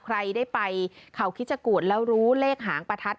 ใครได้ไปเขาคิดชะกูดแล้วรู้เลขหางประทัด